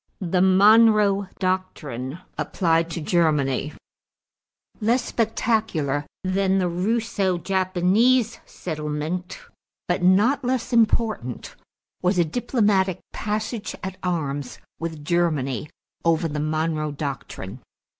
=The Monroe Doctrine Applied to Germany.= Less spectacular than the Russo Japanese settlement but not less important was a diplomatic passage at arms with Germany over the Monroe Doctrine.